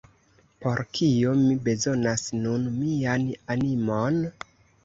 Por kio mi bezonas nun mian animon?